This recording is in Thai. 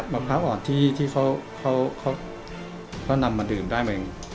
มะพร้าวอ่อนที่เขานำมาดื่มได้ไหม